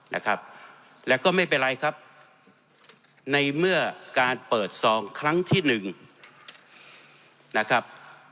นะครับแล้วก็ไม่เป็นไรครับในเมื่อการเปิดซองครั้งที่หนึ่งนะครับ